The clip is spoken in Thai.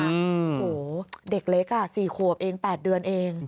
โหเด็กเล็กอ่ะ๔ครับเอง๘เดือนเอง